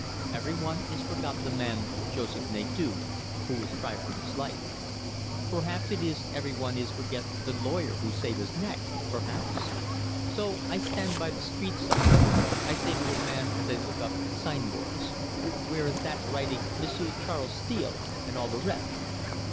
Every one is forgot the man, Joseph Nadeau, who was try for his life. Perhaps it is every one is forget the lawyer who save his neck perhaps? So I stand by the streetside. I say to a man as I look up at sign boards,' 'Where is that writing "M'sieu' Charles Steele," and all the res'?